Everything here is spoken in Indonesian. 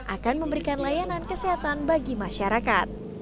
akan memberikan layanan kesehatan bagi masyarakat